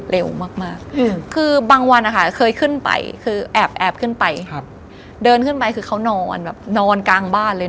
เร็วมากคือบางวันเคยขึ้นไปแอบขึ้นไปเดินขึ้นไปคือเขานอนกลางบ้านเลย